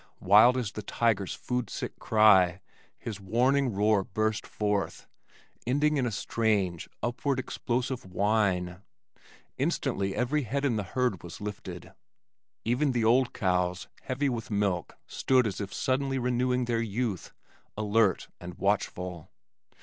Wild as the tiger's food sick cry, his warning roar burst forth, ending in a strange, upward explosive whine. Instantly every head in the herd was lifted, even the old cows heavy with milk stood as if suddenly renewing their youth, alert and watchful.